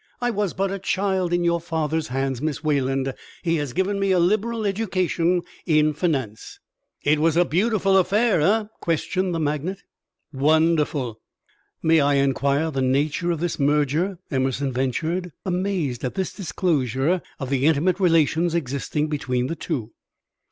"I was but a child in your father's hands, Miss Wayland. He has given me a liberal education in finance." "It was a beautiful affair, eh?" questioned the magnate. "Wonderful." "May I inquire the nature of this merger?" Emerson ventured, amazed at this disclosure of the intimate relations existing between the two.